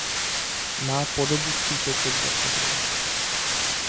Má podobu tří teček za sebou.